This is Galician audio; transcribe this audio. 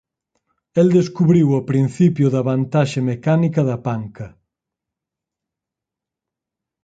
El descubriu o principio da vantaxe mecánica da panca.